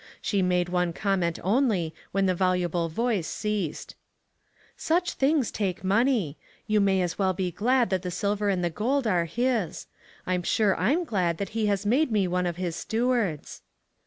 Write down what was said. She made one comment only, when the voluble voice ceased. " Such things take money. You may as well be glad that the silver and the gold are his. I'm sure I'm glad that he has made me one of his stewards."